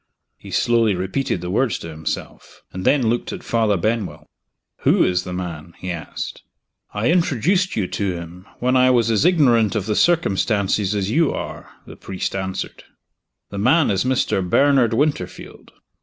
He slowly repeated the words to himself and then looked at Father Benwell. "Who is the man?" he asked. "I introduced you to him, when I was as ignorant of the circumstances as you are," the priest answered. "The man is Mr. Bernard Winterfield."